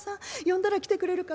呼んだら来てくれるかな。